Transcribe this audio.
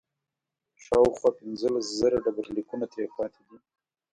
شاوخوا پنځلس زره ډبرلیکونه ترې پاتې دي.